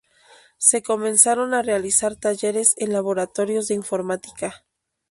Se comenzaron a realizar talleres en laboratorios de informática.